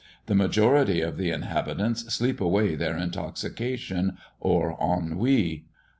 The majority of the inhabitants sleep away their intoxication or ennui.